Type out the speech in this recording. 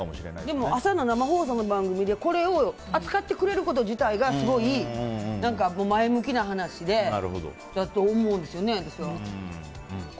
でも、朝の生放送の番組でこれを扱ってくれること自体がすごい前向きな話だと思うんですよね、私は。